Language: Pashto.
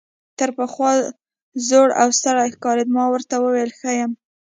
تر پخوا زوړ او ستړی ښکارېده، ما ورته وویل ښه یم.